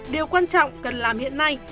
điều quan trọng cần làm hiện nay